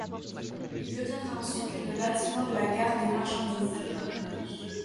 Il deviendra ensuite le bâtiment de la gare des marchandises.